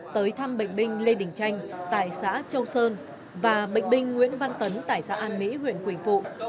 tới thăm bệnh binh lê đình tranh tại xã châu sơn và bệnh binh nguyễn văn tấn tại xã an mỹ huyện quỳnh phụ